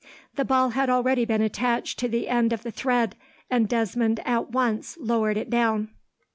The ball had already been attached to the end of the thread, and Desmond at once lowered it down.